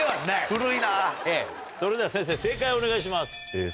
・古いな・それでは先生正解をお願いします。